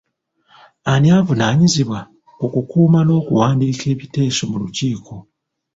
Ani avunaanyizibwa ku kukuuma n'okuwandiika ebiteeso mu lukiiko?